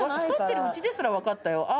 太ってるうちですら分かったよ。